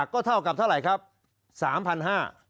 ก็เท่ากับเท่าไหร่ครับ๓๕๐๐บาท